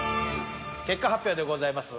結果発表でございます。